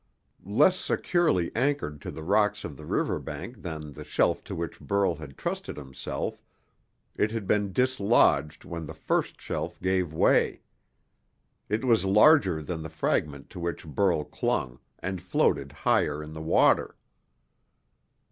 Less securely anchored to the rocks of the river bank than the shelf to which Burl had trusted himself, it had been dislodged when the first shelf gave way. It was larger than the fragment to which Burl clung, and floated higher in the water.